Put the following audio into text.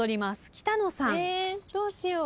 北野さん。えどうしよう。